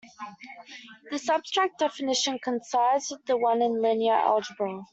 This abstract definition coincides with the one in linear algebra.